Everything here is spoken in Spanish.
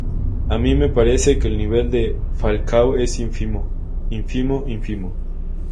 A mí me parece que el nivel de Falcao es ínfimo, ínfimo, ínfimo".